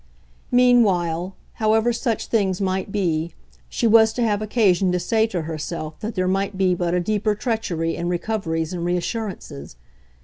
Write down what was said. Meanwhile, however such things might be, she was to have occasion to say to herself that there might be but a deeper treachery in recoveries and reassurances.